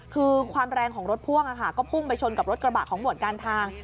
คือความแรงของรถพ่วงก็พุ่งไปชนกับรถกระบะของหมวดการทาง